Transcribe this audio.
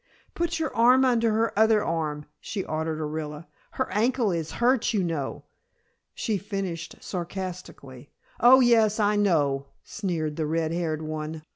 "Put your arm under her other arm," she ordered Orilla. "Her ankle is hurt, you know," she finished sarcastically. "Oh yes, I know," sneered the red haired one.